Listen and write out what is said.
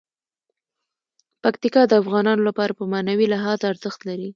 پکتیکا د افغانانو لپاره په معنوي لحاظ ارزښت لري.